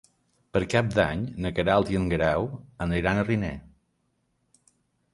Per Cap d'Any na Queralt i en Guerau aniran a Riner.